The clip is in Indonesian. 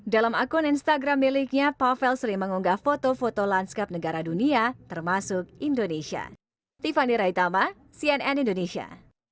dalam akun instagram miliknya pavel sering mengunggah foto foto lanskap negara dunia termasuk indonesia